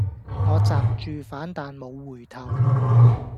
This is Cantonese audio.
我閘住反彈無回頭